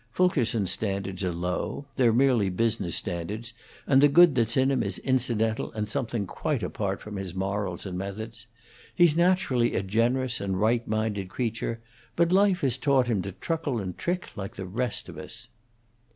Fulkerson's standards are low; they're merely business standards, and the good that's in him is incidental and something quite apart from his morals and methods. He's naturally a generous and right minded creature, but life has taught him to truckle and trick, like the rest of us."